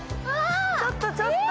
ちょっとちょっと。